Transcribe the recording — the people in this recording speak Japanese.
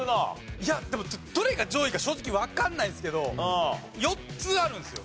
いやでもどれが上位か正直わかんないんですけど４つあるんですよ。